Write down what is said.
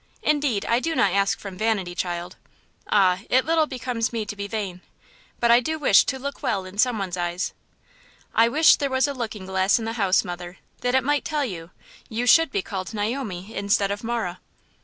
Indeed I do not ask from vanity, child? Ah, it little becomes me to be vain; but I do wish to look well in some one's eyes." "I wish there was a looking glass in the house, mother, that it might tell you; you should be called Naomi instead of Marah."